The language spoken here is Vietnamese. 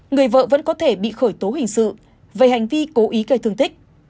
người vợ vẫn có thể bị khởi tố hình sự về hành vi cố ý gây thương tích